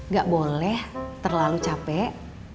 gak boleh terlalu capek